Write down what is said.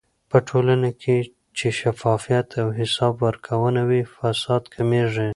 په ټولنه کې چې شفافيت او حساب ورکونه وي، فساد کمېږي.